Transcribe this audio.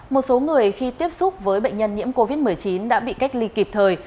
một số người khi tiếp xúc với bệnh nhân nhiễm covid một mươi chín đã bị cách ly kịp thời